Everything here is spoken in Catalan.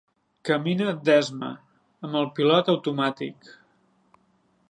Camina d'esma, amb el pilot automàtic.